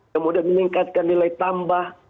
kemudian meningkatkan nilai tambah